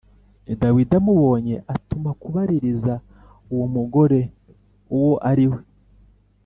Dawidi amubonye atuma kubaririza uwo mugore uwo ari we.